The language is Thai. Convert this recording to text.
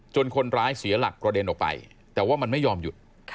คนร้ายเสียหลักกระเด็นออกไปแต่ว่ามันไม่ยอมหยุด